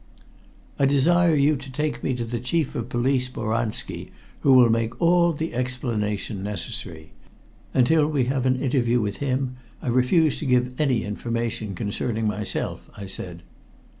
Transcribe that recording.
"I desire you to take me to the Chief of Police Boranski, who will make all the explanation necessary. Until we have an interview with him, I refuse to give any information concerning myself," I said.